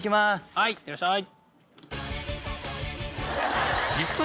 はいいってらっしゃい！